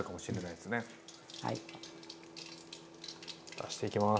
出していきます。